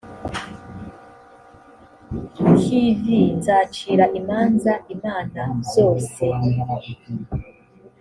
kv nzacira imanza imana zose